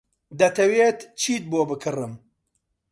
دەتەوێت چیت بۆ بکڕم؟